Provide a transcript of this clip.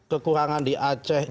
kekurangan di aceh